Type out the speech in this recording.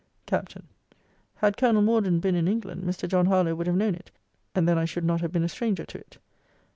Capt. Had Colonel Morden been in England, Mr. John Harlowe would have known it; and then I should not have been a stranger to it.